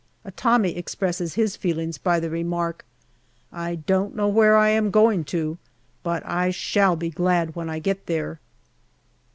A Tommy expresses his feelings by the remark, " I don't know where I am going to, but I shall be glad when I get there."